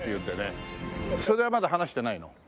それはまだ話してないの？